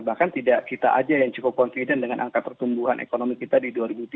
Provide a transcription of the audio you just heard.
bahkan tidak kita aja yang cukup confident dengan angka pertumbuhan ekonomi kita di dua ribu tiga puluh